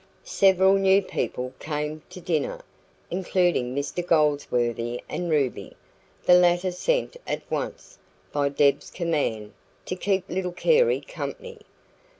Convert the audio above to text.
Several new people came to dinner, including Mr Goldsworthy and Ruby the latter sent at once, by Deb's command, to keep little Carey company.